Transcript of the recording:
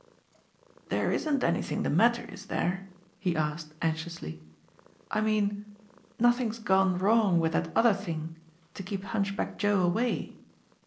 "There isn't anything the matter, is there?" he asked anxiously. "I mean nothing's gone wrong with that other thing to keep Hunchback. Joe away